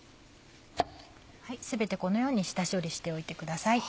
全てこのように下処理しておいてください。